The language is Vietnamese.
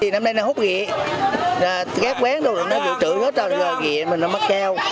năm nay nó hút ghẹ ghẹ quén rồi nó dự trữ hết rồi ghẹ mà nó mắc keo